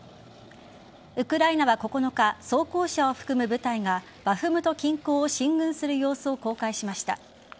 ウクライナは９日装甲車を含む部隊がバフムト近郊を進軍する様子を公開しました。